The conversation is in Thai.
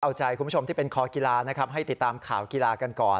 เอาใจคุณผู้ชมที่เป็นคอกีฬานะครับให้ติดตามข่าวกีฬากันก่อน